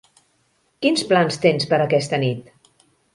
Quins plans tens per a aquesta nit?